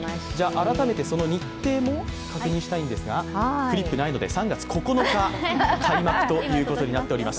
改めて日程も確認したいんですがフリップないので、３月９日開幕ということになっております。